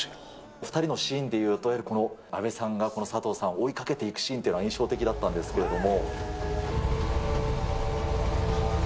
２人のシーンでいうと、阿部さんがこの佐藤さんを追いかけていくシーンっていうのは、印象的だったんですけれども。